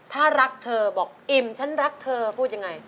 ถ้ารักเธอบอกอิ่มฉันรักเธอพูดยังไง